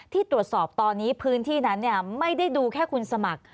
ที่ตรวจสอบตอนนี้พื้นที่นั้นไม่ได้ดูแค่คุณสมัคร